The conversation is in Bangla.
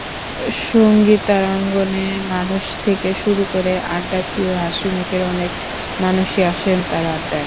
সংগীতাঙ্গনের মানুষ থেকে শুরু করে আড্ডাপ্রিয় হাসিমুখের অনেক মানুষই আসেন তাঁর আড্ডায়।